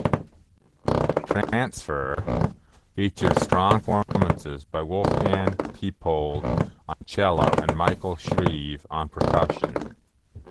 "Trancefer" features strong performances by Wolfgang Tiepold on cello and Michael Shrieve on percussion.